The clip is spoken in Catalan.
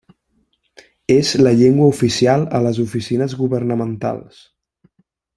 És la llengua oficial a les oficines governamentals.